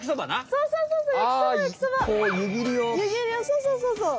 そうそうそうそう！